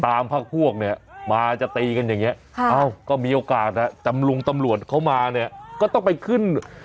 ตามพวกพวกเนี้ยมาจะตีกันอย่างเงี้ยค่ะอ้าวก็มีโอกาสแล้วจำรุงตำลวจเขามาเนี้ยก็ต้องไปขึ้น